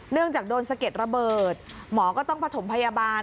เนื่องจากโดนสะเก็ดระเบิดหมอก็ต้องปฐมพยาบาล